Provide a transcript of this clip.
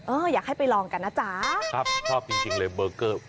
อยากให้ไปลองกันนะจ๊ะครับชอบจริงจริงเลยเบอร์เกอร์